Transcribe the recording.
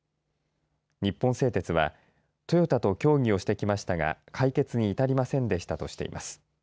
日本製鉄はトヨタと協議をしてきましたが解決に至りませんでしたとしています。